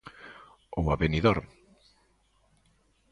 Ou a Benidorm.